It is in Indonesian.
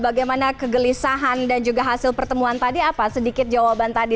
bagaimana kegelisahan dan juga hasil pertemuan tadi apa sedikit jawaban tadi